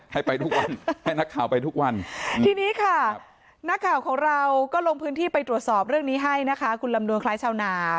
ให้ไปทุกวันให้นักข่าวไปทุกวันทีนี้ค่ะนักข่าวของเราก็ลงพื้นที่ไปตรวจสอบเรื่องนี้ให้นะคะคุณลำนวนคล้ายชาวนา